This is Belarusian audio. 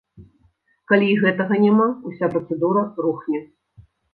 Калі і гэтага няма, уся працэдура рухне.